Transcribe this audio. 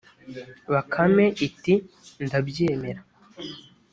bakame iti ndabyemera